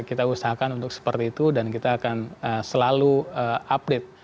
kita usahakan untuk seperti itu dan kita akan selalu update